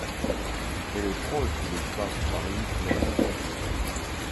Elle est proche de l'Espace Paris Plaine.